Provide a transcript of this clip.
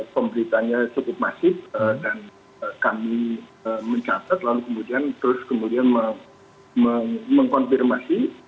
pemberitanya cukup masif dan kami mencatat lalu kemudian terus kemudian mengkonfirmasi